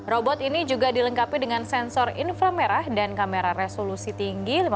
robot ini juga dilengkapi dengan sensor infra merah dan kamera resolusi tinggi